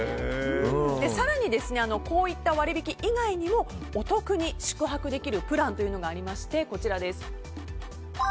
更に、こういった割引以外にもお得に宿泊できるプランがありまして、こちらです。